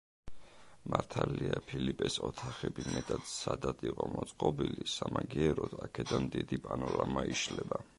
მართალია ფილიპეს ოთახები მეტად სადად იყო მოწყობილი, სამაგიეროდ, აქედან დიდი პანორამა იშლება.